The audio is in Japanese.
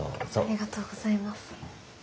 ありがとうございます。